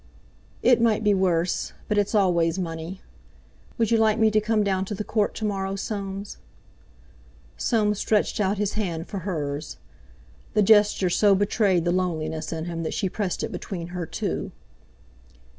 "It might be worse; but it's always money. Would you like me to come down to the Court to morrow, Soames?" Soames stretched out his hand for hers. The gesture so betrayed the loneliness in him that she pressed it between her two.